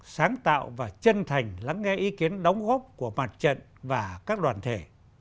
sáng tạo và chân thành lắng nghe ý kiến đóng góp của mặt trận và các đoàn thể